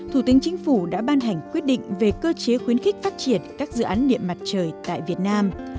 thủ tướng chính phủ đã ban hành quyết định về cơ chế khuyến khích phát triển các dự án điện mặt trời tại việt nam